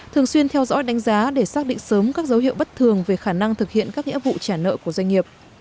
thường xuyên theo dõi đánh giá để xác định sớm các dấu hiệu bất thường về khả năng thực hiện các nghĩa vụ trả nợ của doanh nghiệp